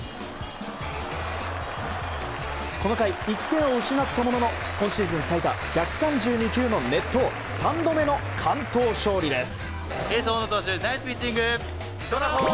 この回、１点を失ったものの今シーズン最多１３２球の熱投３度目の完投勝利です。